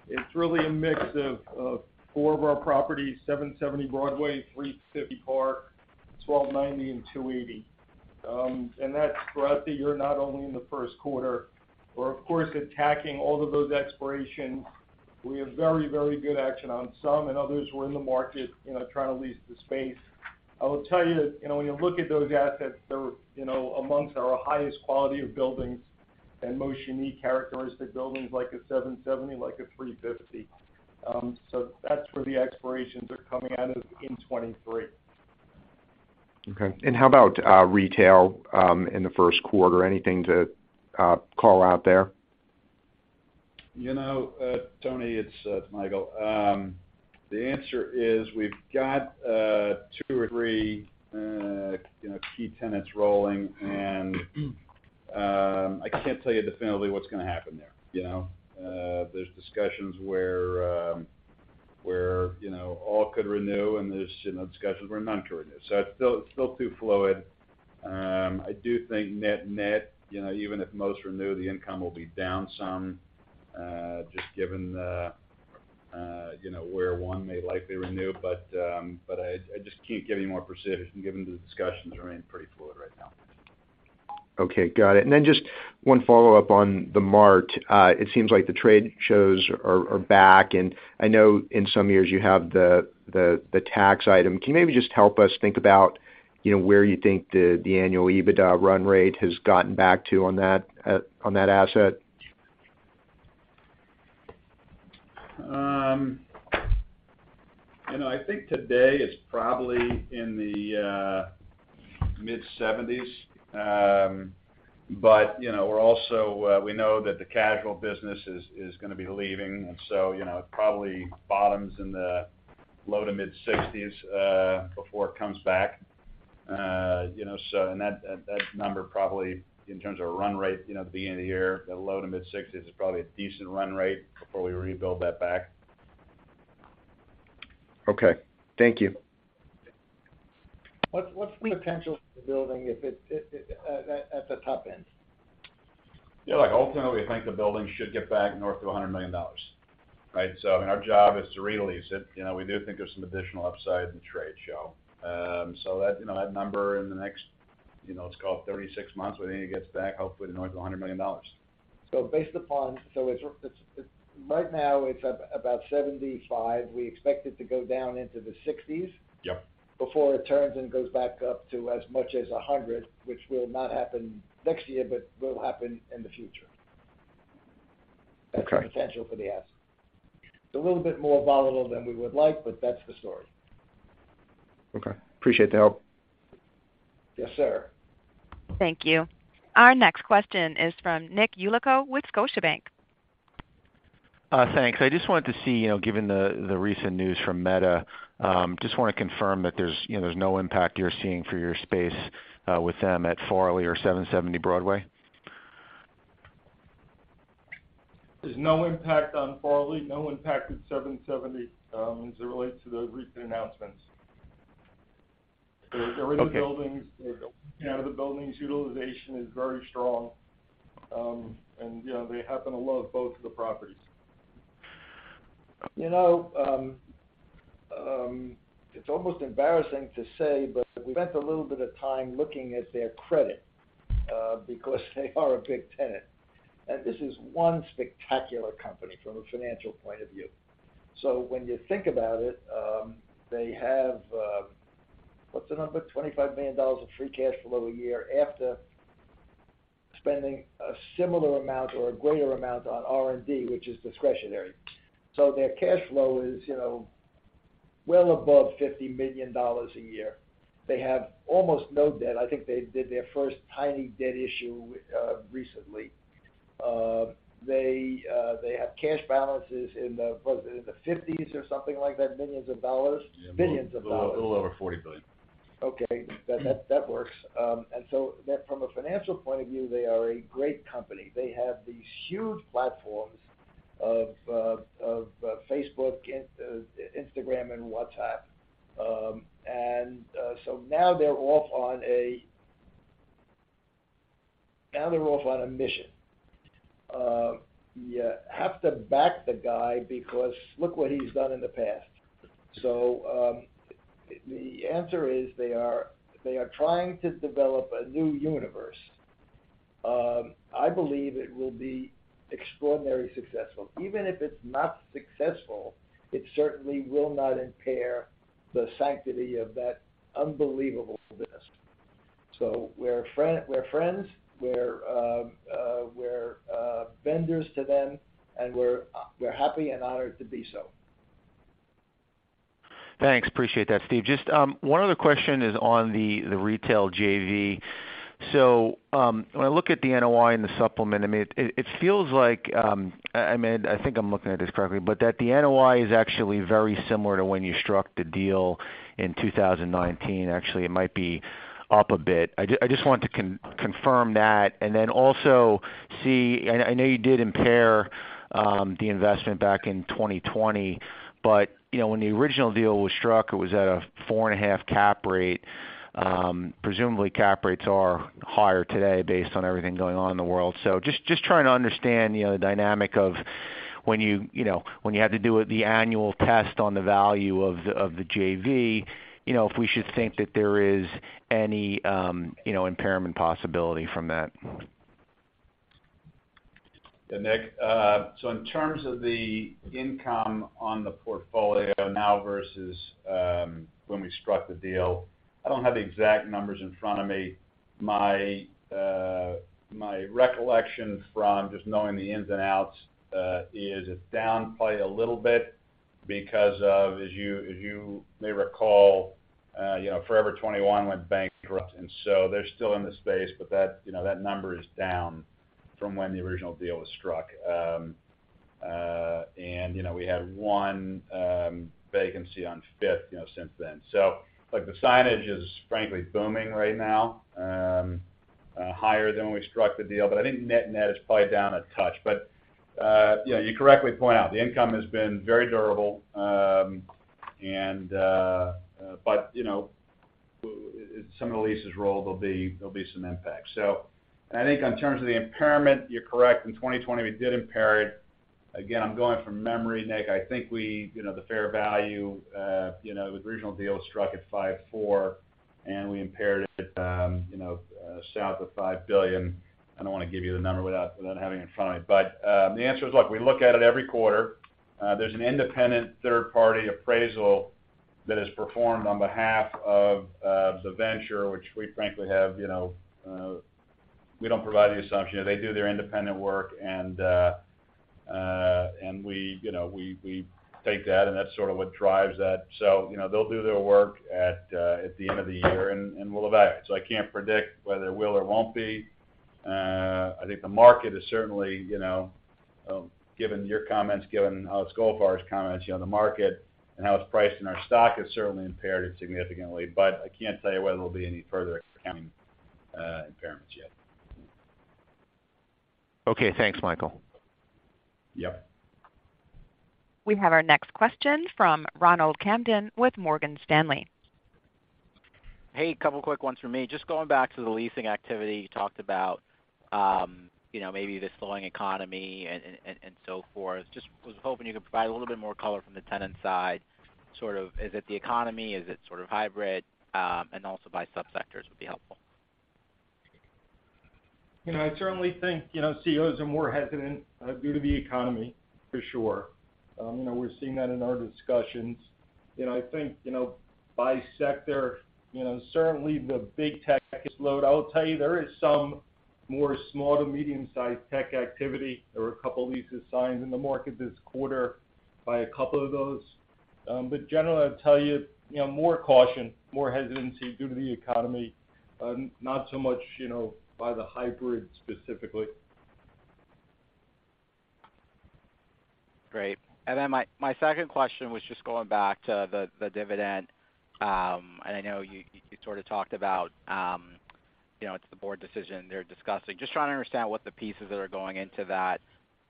it's really a mix of four of our properties, 770 Broadway, 350 Park, 1290, and 280. And that's throughout the year, not only in the first quarter. We're, of course, attacking all of those expirations. We have very, very good action on some and others who are in the market, you know, trying to lease the space. I will tell you that, you know, when you look at those assets, they're, you know, among our highest quality of buildings and most unique characteristic buildings like a 770, like a 350. So that's where the expirations are coming out of in 2023. Okay. How about retail in the first quarter? Anything to call out there? You know, Tony, it's Michael. The answer is, we've got two or three, you know, key tenants rolling, and I can't tell you definitively what's gonna happen there, you know. There's discussions where you know all could renew, and there's you know discussions where none could renew. So it's still too fluid. I do think net-net, you know, even if most renew, the income will be down some, just given the you know where one may likely renew. But I just can't give any more precision, given the discussions remain pretty fluid right now. Okay. Got it. Just one follow-up on theMART. It seems like the trade shows are back, and I know in some years you have the tax item. Can you maybe just help us think about, you know, where you think the annual EBITDA run rate has gotten back to on that, on that asset? You know, I think today it's probably in the mid-70s. You know, we know that the casual business is gonna be leaving. You know, it probably bottoms in the low- to mid-60s, before it comes back. You know, and that number probably in terms of run rate, you know, at the beginning of the year, the low- to mid-60s% is probably a decent run rate before we rebuild that back. Okay. Thank you. What's the potential of the building if it's at the top end? Yeah. Like, ultimately, I think the building should get back north of $100 million, right? I mean, our job is to re-lease it. You know, we do think there's some additional upside in trade show. That, you know, that number in the next, you know, let's call it 36 months, we think it gets back hopefully to north of $100 million. Right now, it's at about 75. We expect it to go down into the 60s- Yep. Before it turns and goes back up to as much as 100, which will not happen next year, but will happen in the future. Okay. That's the potential for the asset. It's a little bit more volatile than we would like, but that's the story. Okay. Appreciate the help. Yes, sir. Thank you. Our next question is from Nick Yulico with Scotiabank. Thanks. I just wanted to see, you know, given the recent news from Meta, just wanna confirm that there's, you know, no impact you're seeing for your space with them at Farley or 770 Broadway? There's no impact on Farley, no impact at 770, as it relates to the recent announcements. Okay. They're in the buildings. You know, the buildings' utilization is very strong. You know, they happen to love both of the properties. You know, it's almost embarrassing to say, but we spent a little bit of time looking at their credit, because they are a big tenant, and this is one spectacular company from a financial point of view. When you think about it, they have, what's the number? $25 million of free cash flow a year after spending a similar amount or a greater amount on R&D, which is discretionary. Their cash flow is, you know, well above $50 million a year. They have almost no debt. I think they did their first tiny debt issue within recently. They have cash balances in the, was it in the 50s or something like that? Billions of dollars. Yeah. A little over $40 billion. Okay. That works. That from a financial point of view, they are a great company. They have these huge platforms of Facebook, Instagram, and WhatsApp. Now they're off on a mission. You have to back the guy because look what he's done in the past. The answer is they are trying to develop a new universe. I believe it will be extraordinarily successful. Even if it's not successful, it certainly will not impair the sanctity of that unbelievable business. We're friends, we're vendors to them, and we're happy and honored to be so. Thanks. Appreciate that, Steve. Just one other question is on the retail JV. When I look at the NOI and the supplement, I mean, it feels like, I mean, I think I'm looking at this correctly, but that the NOI is actually very similar to when you struck the deal in 2019. Actually, it might be up a bit. I just wanted to confirm that. Then also, I know you did impair the investment back in 2020, but you know, when the original deal was struck, it was at a 4.5% cap rate. Presumably cap rates are higher today based on everything going on in the world. Just trying to understand, you know, the dynamic of when you know, when you had to do it, the annual test on the value of the JV, you know, if we should think that there is any impairment possibility from that? Yeah, Nick. In terms of the income on the portfolio now versus when we struck the deal, I don't have the exact numbers in front of me. My recollection from just knowing the ins and outs is it's down probably a little bit because of, as you may recall, you know, Forever 21 went bankrupt. They're still in the space, but that, you know, that number is down from when the original deal was struck. We had one vacancy on Fifth Avenue since then. Like, the signage is frankly booming right now, higher than when we struck the deal, but I think net-net is probably down a touch. You correctly point out the income has been very durable. You know, some of the leases rolled, there'll be some impact. I think in terms of the impairment, you're correct. In 2020, we did impair it. Again, I'm going from memory, Nick. You know, the fair value, the original deal was struck at $5.4 billion, and we impaired it, south of $5 billion. I don't wanna give you the number without having it in front of me. The answer is, look, we look at it every quarter. There's an independent third party appraisal that is performed on behalf of the venture, which we frankly have, you know. We don't provide any assumption. They do their independent work, and we, you know, we take that, and that's sort of what drives that. You know, they'll do their work at the end of the year, and we'll evaluate. I can't predict whether it will or won't be. I think the market is certainly, you know, given your comments, given how it's going, as far as comments, you know, the market and how it's priced in our stock has certainly impaired it significantly. I can't tell you whether there'll be any further accounting impairments yet. Okay. Thanks, Michael. Yep. We have our next question from Ronald Kamdem with Morgan Stanley. Hey, couple quick ones from me. Just going back to the leasing activity you talked about, you know, maybe the slowing economy and so forth. Just was hoping you could provide a little bit more color from the tenant side, sort of is it the economy? Is it sort of hybrid? And also by subsectors would be helpful? You know, I certainly think, you know, CEOs are more hesitant due to the economy for sure. You know, we're seeing that in our discussions. You know, I think, you know, by sector, you know, certainly the big tech load. I will tell you there is some more small to medium-sized tech activity. There were a couple leases signed in the market this quarter by a couple of those, but generally, I'd tell you know, more caution, more hesitancy due to the economy, not so much, you know, by the hybrid specifically. Great. Then my second question was just going back to the dividend. I know you sort of talked about, you know, it's the board decision they're discussing. Just trying to understand what the pieces that are going into that.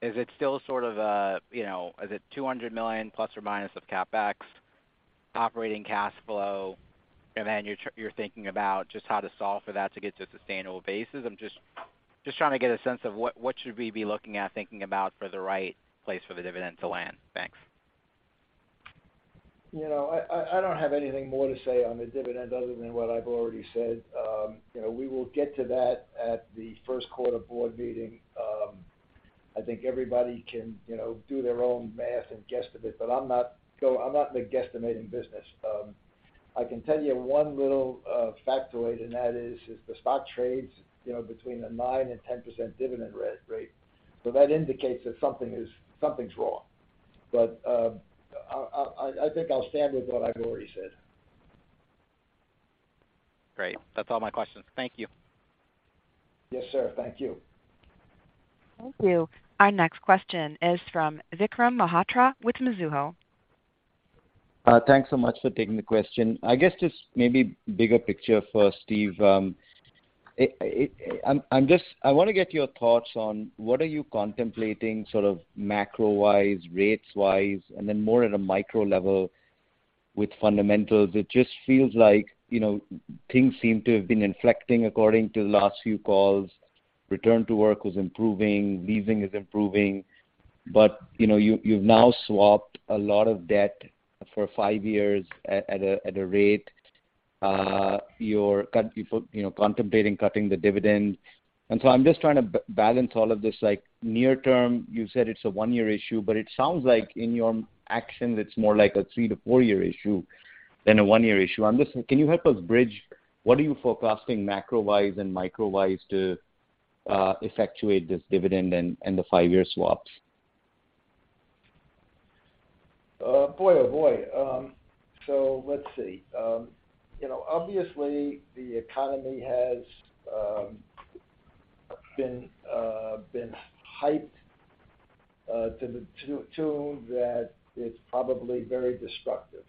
Is it still sort of a, you know, is it $200 million plus or minus of CapEx, operating cash flow? Then you're thinking about just how to solve for that to get to a sustainable basis. I'm just trying to get a sense of what should we be looking at, thinking about for the right place for the dividend to land? Thanks. You know, I don't have anything more to say on the dividend other than what I've already said. You know, we will get to that at the first quarter board meeting. I think everybody can, you know, do their own math and guesstimate, but I'm not in the guesstimating business. I can tell you one little factoid, and that is, if the stock trades, you know, between 9% and 10% dividend rate, that indicates that something's wrong. I think I'll stand with what I've already said. Great. That's all my questions. Thank you. Yes, sir. Thank you. Thank you. Our next question is from Vikram Malhotra with Mizuho. Thanks so much for taking the question. I guess just maybe bigger picture first, Steve. I wanna get your thoughts on what are you contemplating sort of macro-wise, rates-wise, and then more at a micro level with fundamentals. It just feels like, you know, things seem to have been inflecting according to the last few calls. Return to work was improving, leasing is improving. You know, you've now swapped a lot of debt for five years at a rate. You're contemplating cutting the dividend. I'm just trying to balance all of this, like, near term, you said it's a one-year issue, but it sounds like in your actions, it's more like a three-four year issue than a one-year issue. I'm just Can you help us bridge what are you forecasting macro-wise and micro-wise to effectuate this dividend and the five-year swaps? Boy, oh, boy. Let's see. You know, obviously, the economy has been hyped to that it's probably very destructive.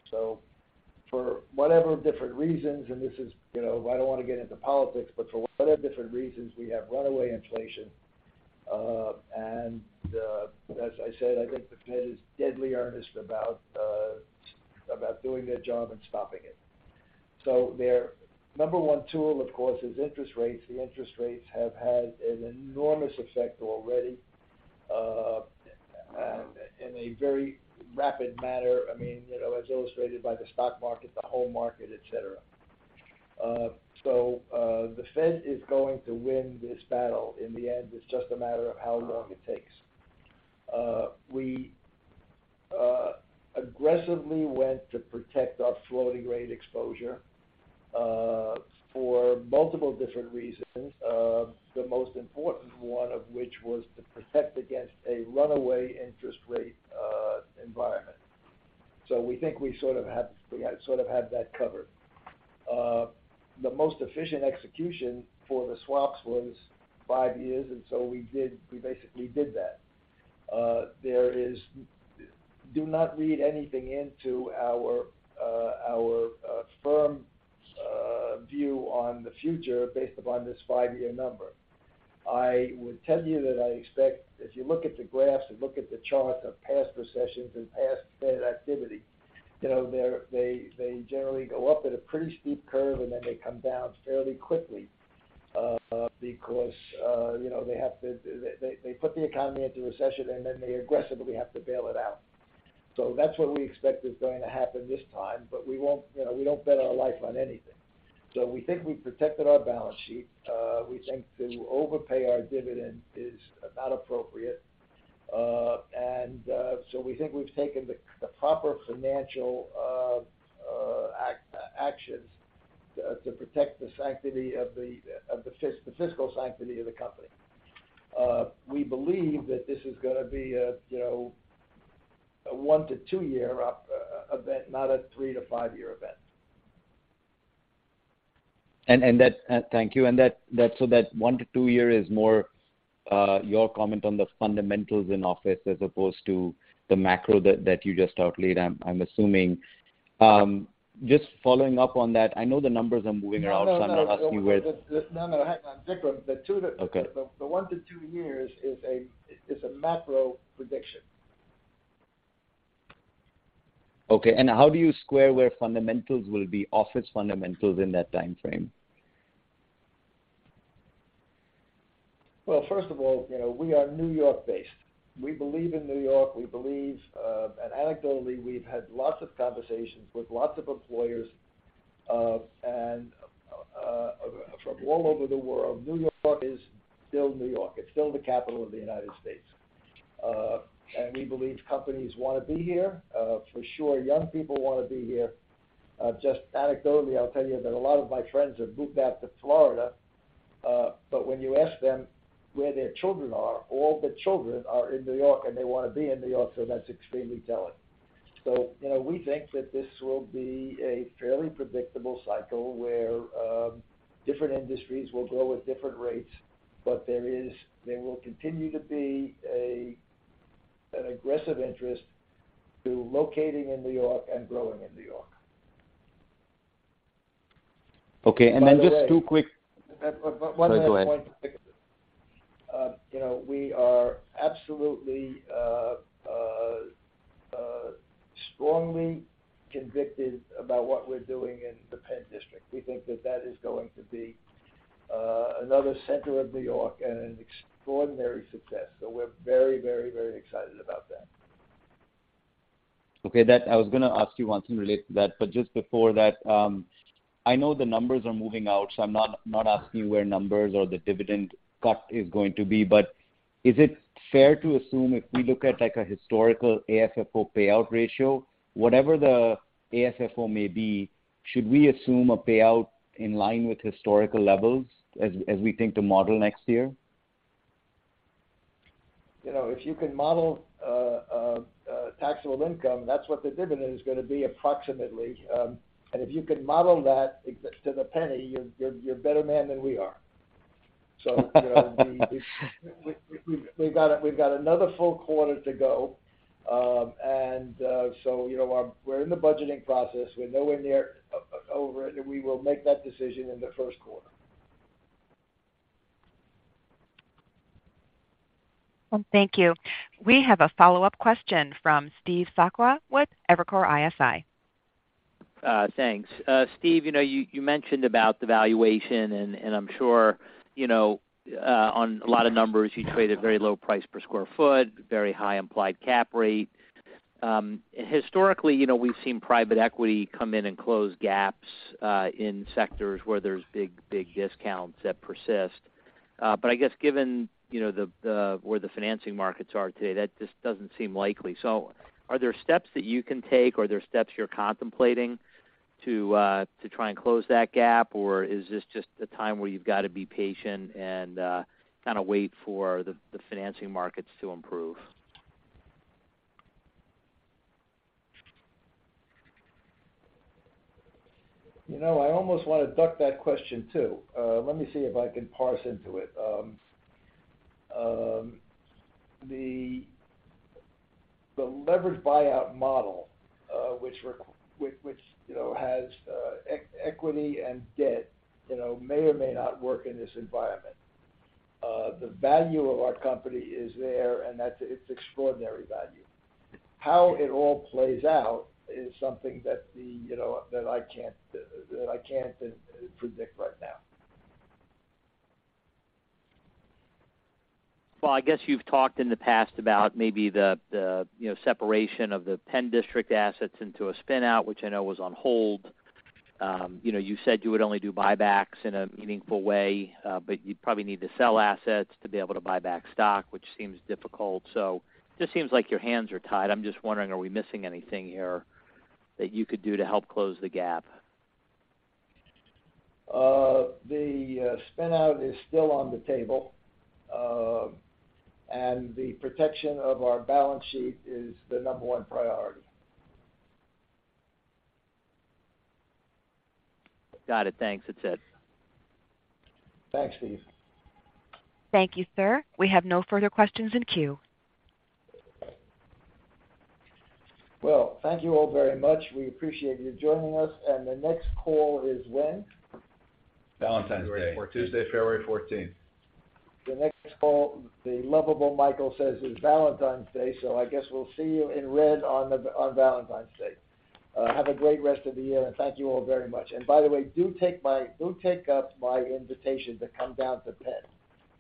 For whatever different reasons, and this is, you know, I don't wanna get into politics, but for whatever different reasons, we have runaway inflation. As I said, I think the Fed is deadly earnest about doing their job and stopping it. Their number one tool, of course, is interest rates. The interest rates have had an enormous effect already in a very rapid manner. I mean, you know, as illustrated by the stock market, the home market, et cetera. The Fed is going to win this battle in the end. It's just a matter of how long it takes. We aggressively went to protect our floating rate exposure for multiple different reasons. The most important one of which was to protect against a runaway interest rate environment. We think we sort of have that covered. The most efficient execution for the swaps was five years, and so we basically did that. Do not read anything into our firm view on the future based upon this five-year number. I would tell you that I expect if you look at the graphs and look at the charts of past recessions and past Fed activity, you know, they generally go up at a pretty steep curve, and then they come down fairly quickly because you know, they have to. They put the economy into recession, and then they aggressively have to bail it out. That's what we expect is going to happen this time, but we won't, you know, we don't bet our life on anything. We think we've protected our balance sheet. We think to overpay our dividend is not appropriate. We think we've taken the proper financial actions to protect the fiscal sanctity of the company. We believe that this is gonna be a, you know, a one-two-year event, not a three-five-year event. Thank you. That one-two year is more your comment on the fundamentals in office as opposed to the macro that you just outlined, I'm assuming. Just following up on that, I know the numbers are moving around. No, no. I'm not asking where? No, no. Hang on, Vikram. Okay. The one-two years is a macro prediction. Okay. How do you square where fundamentals will be office fundamentals in that timeframe? Well, first of all, you know, we are New York-based. We believe in New York. We believe, and anecdotally, we've had lots of conversations with lots of employers and from all over the world. New York is still New York. It's still the capital of the United States. We believe companies wanna be here. For sure, young people wanna be here. Just anecdotally, I'll tell you that a lot of my friends have moved out to Florida, but when you ask them where their children are, all the children are in New York, and they wanna be in New York, so that's extremely telling. You know, we think that this will be a fairly predictable cycle where different industries will grow at different rates, but there is. There will continue to be an aggressive interest in locating in New York and growing in New York. Okay. Just two quick- By the way. Sorry, go ahead. One last point, Vikram Malhotra. You know, we are absolutely strongly convicted about what we're doing in the PENN District. We think that is going to be another center of New York and an extraordinary success. We're very excited about that. Okay. I was gonna ask you wanting to relate to that. Just before that, I know the numbers are moving out, so I'm not asking you where numbers or the dividend cut is going to be. Is it fair to assume, if we look at like a historical AFFO payout ratio, whatever the AFFO may be, should we assume a payout in line with historical levels as we think to model next year? You know, if you can model taxable income, that's what the dividend is gonna be, approximately. If you can model that to the penny, you're a better man than we are. You know, we've got another full quarter to go. You know, we're in the budgeting process. We're nowhere near over it. We will make that decision in the first quarter. Well, thank you. We have a follow-up question from Steve Sakwa with Evercore ISI. Thanks. Steve, you know, you mentioned about the valuation, and I'm sure you know, on a lot of numbers, you traded very low price per square foot, very high implied cap rate. Historically, you know, we've seen private equity come in and close gaps in sectors where there's big discounts that persist. But I guess given you know where the financing markets are today, that just doesn't seem likely. Are there steps that you can take, are there steps you're contemplating to try and close that gap? Or is this just a time where you've gotta be patient and kinda wait for the financing markets to improve? You know, I almost wanna duck that question, too. Let me see if I can parse into it. The leveraged buyout model, which you know has equity and debt, you know, may or may not work in this environment. The value of our company is there, and that's it. It's extraordinary value. How it all plays out is something that you know that I can't predict right now. Well, I guess you've talked in the past about maybe the you know, separation of the PENN District assets into a spin out, which I know was on hold. You know, you said you would only do buybacks in a meaningful way, but you'd probably need to sell assets to be able to buy back stock, which seems difficult. Just seems like your hands are tied. I'm just wondering, are we missing anything here that you could do to help close the gap? The spin out is still on the table. The protection of our balance sheet is the number one priority. Got it. Thanks. That's it. Thanks, Steve. Thank you, sir. We have no further questions in queue. Well, thank you all very much. We appreciate you joining us. The next call is when? Valentine's Day. February 14th. Tuesday, February 14th. The next call, the lovable Michael says is Valentine's Day, so I guess we'll see you in red on the, on Valentine's Day. Have a great rest of the year, and thank you all very much. By the way, do take up my invitation to come down to PENN.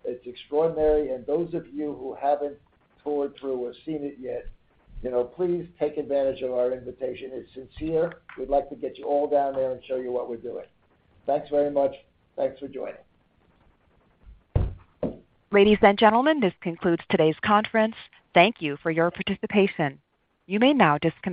It's extraordinary. Those of you who haven't toured through or seen it yet, you know, please take advantage of our invitation. It's sincere. We'd like to get you all down there and show you what we're doing. Thanks very much. Thanks for joining. Ladies and gentlemen, this concludes today's conference. Thank you for your participation. You may now disconnect.